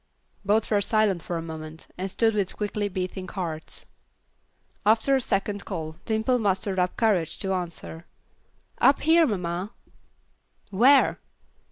Both were silent for a moment, and stood with quickly beating hearts. After a second call, Dimple mustered up courage to answer, "Up here, mamma." "Where?"